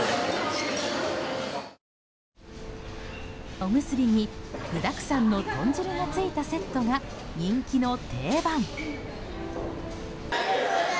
おむすびに、具だくさんの豚汁がついたセットが人気の定番。